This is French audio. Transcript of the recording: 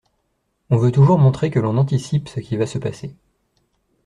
On veut toujours montrer que l’on anticipe ce qui va se passer.